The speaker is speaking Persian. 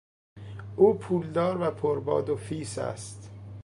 او پولدار و پر باد و فیس است.